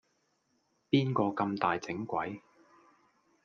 邊個咁大整鬼